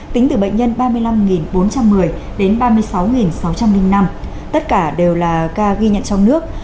tính từ bệnh nhân ba mươi năm bốn trăm một mươi đến ba mươi sáu sáu trăm linh năm tất cả đều là ca ghi nhận trong nước